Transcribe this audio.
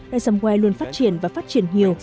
resumway luôn phát triển và phát triển nhiều